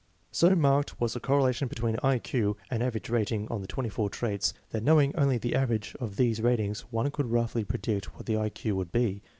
So marked was the correlation between I Q and average rating on the twenty four traits that knowing only the average of these ratings one could roughly pre dict what the I Q would be.